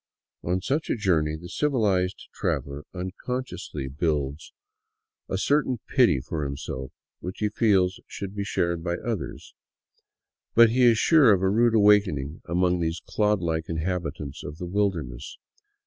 On such a journey the civilized traveler unconsciously builds 253 VAGABONDING DOWN THE ANDES up a certain pity for himself which he feels should be shared by others. But he is sure of a rude awakening among these clod like inhabitants of the wilderness.